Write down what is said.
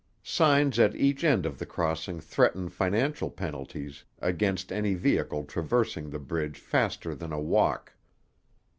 Signs at each end of the crossing threaten financial penalties against any vehicle traversing the bridge faster than a walk.